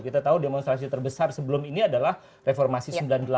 kita tahu demonstrasi terbesar sebelum ini adalah reformasi sembilan puluh delapan